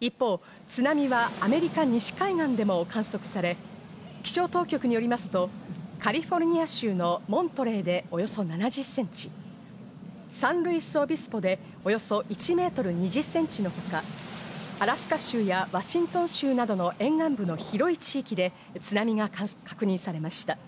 一方、津波はアメリカ西海岸でも観測され、気象当局によりますとカリフォルニア州のモントレーでおよそ７０ｃｍ、サンルイスオビスポでおよそ１メートル２０センチのほか、アラスカ州やワシントン州などの沿岸部の広い範囲で津波が確認されました。